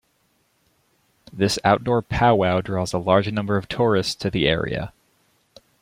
This outdoor pow-wow draws a large number of tourists to the area.